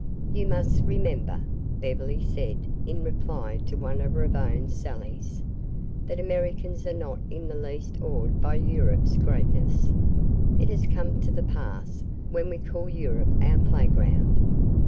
"You must remember," Beverly said in reply to one of Ravone's sallies, "that Americans are not in the least awed by Europe's greatness. It has come to the pass when we call Europe our playground.